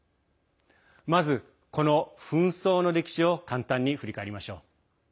まず、この紛争の歴史を簡単に振り返りましょう。